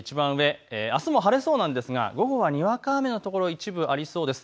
まずいちばん上、あすも晴れそうなんですが午後はにわか雨の所が一部ありそうです。